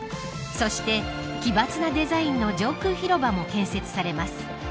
そして、奇抜なデザインの上空広場も建設されます。